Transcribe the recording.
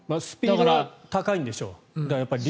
スピードは高いんでしょう。